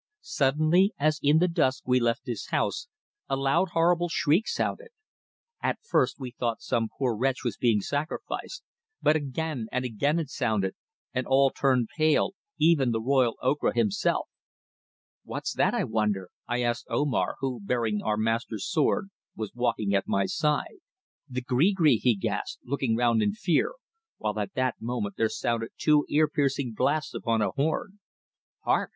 Suddenly, as in the dusk we left this house, a loud horrible shriek sounded. At first we thought some poor wretch was being sacrificed, but again and again it sounded, and all turned pale, even the royal Ocra himself. "What's that, I wonder?" I asked Omar, who, bearing our master's sword, was walking at my side. "The gree gree!" he gasped, looking round in fear, while at that moment there sounded two ear piercing blasts upon a horn. "Hark!"